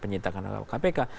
penyitaan adalah kpk